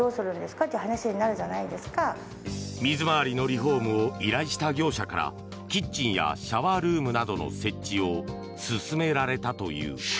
水回りのリフォームを依頼した業者からキッチンやシャワールームなどの設置を勧められたという。